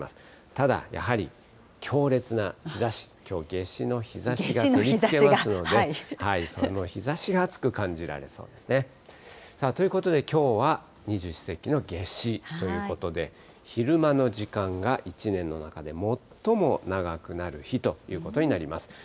ただやはり、強烈な日ざし、きょう、夏至の日ざしが降りつけますので、その日ざしが暑く感じられそうですね。ということで、きょうは二十四節気の夏至ということで、昼間の時間が一年の中で最も長くなる日ということになります。